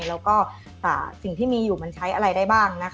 แล้วก็สิ่งที่มีอยู่มันใช้อะไรได้บ้างนะคะ